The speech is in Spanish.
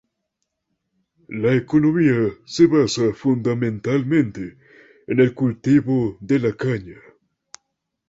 La economía se basa fundamentalmente en el cultivo de la caña.